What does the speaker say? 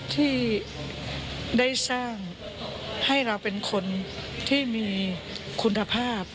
ที่ได้สร้างให้เราเป็นคนที่มีคุณภาพ